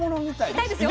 痛いですよ。